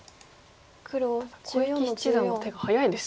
ただ小池七段の手が早いですね。